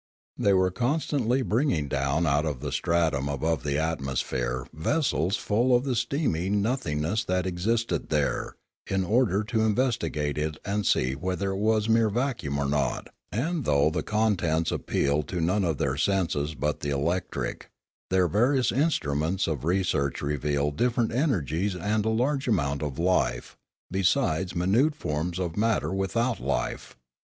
Discoveries 337 They ^ere constantly bringing down out of the stratum above the atmosphere vessels full of the seeming no thingness that existed there, in order to investigate it and see whether it was mere vacuum or not; and though the contents appealed to none of their senses but the electric, their various instruments of research revealed different energies and a large amount of life, besides minute forms of matter without life.